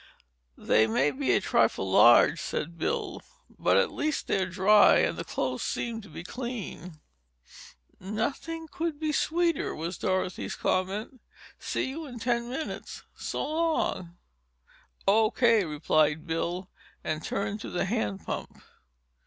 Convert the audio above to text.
"They may be a trifle large," said Bill. "But at least they're dry and the clothes seem to be clean." "Nothing could be sweeter," was Dorothy's comment. "See you in ten minutes—so long!" "O.K.," replied Bill and turned to the handpump.